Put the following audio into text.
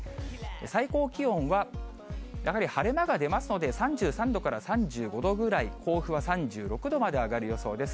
最高気温はやはり晴れ間が出ますので、３３度から３５度ぐらい、甲府は３６度まで上がる予想です。